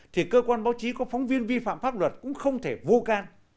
thì cơ quan báo chí có phóng viên vi phạm pháp luật cũng không thể vô can